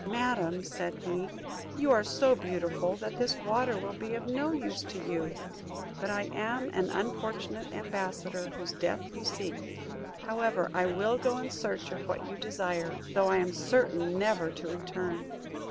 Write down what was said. "Madam," said he, "you are so beautiful, that this water will be of no use to you; but I am an unfortunate ambassador, whose death you seek. However, I will go in search of what you desire, though I am certain never to return."